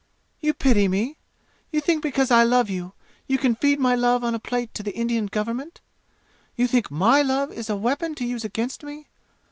"You pity me? You think because I love you, you can feed my love on a plate to the Indian government? You think my love is a weapon to use against me?